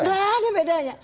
tidak ada bedanya